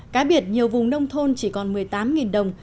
cá biệt nhiều vùng nông thôn chỉ còn một mươi tám đồng